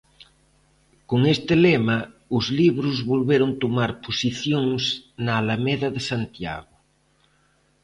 Con este lema os libros volveron tomar posicións na Alameda de Santiago.